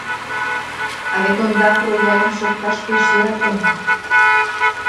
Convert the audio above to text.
А вет ондак рояльым шокташ пеш йӧратен.